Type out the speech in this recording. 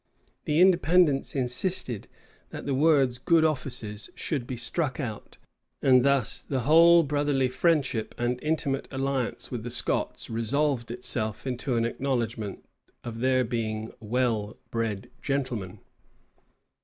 The Independents insisted, that the words "good offices" should be struck out; and thus the whole brotherly friendship and intimate alliance with the Scots resolved itself into an acknowledgment of their being well bred gentlemen.